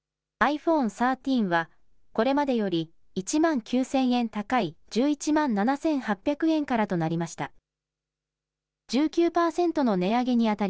ｉＰｈｏｎｅ１３は、これまでより１万９０００円高い、１１万７８００円からとなりました。